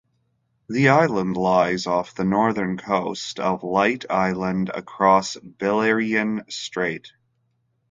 The island lies off the northern coast of Leyte island across Biliran Strait.